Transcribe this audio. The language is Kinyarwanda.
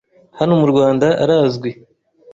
hano mu Rwanda arazwi